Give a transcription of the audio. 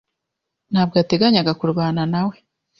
Ntabwo yateganyaga kurwana nawe.